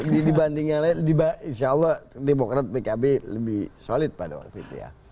dibanding yang lain insya allah demokrat pkb lebih solid pada waktu itu ya